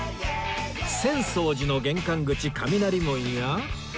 浅草寺の玄関口雷門や